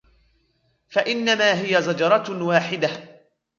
فإنما هي زجرة واحدة